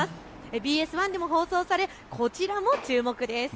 ＢＳ１でも放送されこちらも注目です。